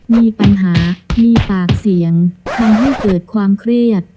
มีปัญหามีปากเสียงทำให้เกิดความเครียด